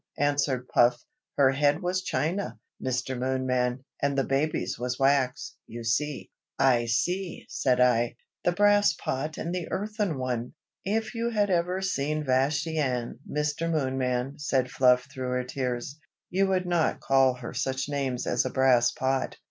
answered Puff. "Her head was china, Mr. Moonman, and the baby's was wax, you see." "I see!" said I. "The brass pot and the earthen one!" "If you had ever seen Vashti Ann, Mr. Moonman," said Fluff through her tears, "you would not call her such names as a brass pot.